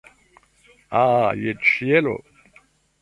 Ha, je ĉielo!